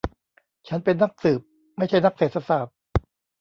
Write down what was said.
ฉันเป็นนักสืบ ไม่ใช่นักเศรษฐศาสตร์